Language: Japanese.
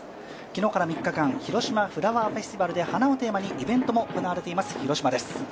昨日から３日間、広島フラワーフェスティバルで花をテーマにイベントも行われています、広島です。